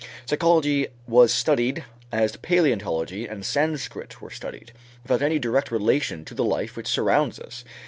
Psychology was studied as palæontology and Sanscrit were studied, without any direct relation to the life which surrounds us.